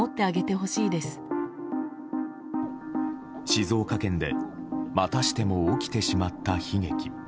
静岡県でまたしても起きてしまった悲劇。